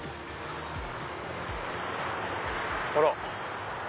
あら！